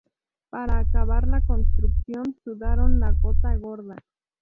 Para acabar la construcción sudaron la gota gorda